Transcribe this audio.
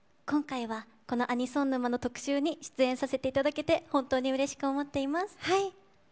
今回はこのアニソン沼の特集に出演させていただけて本当にうれしく思っています。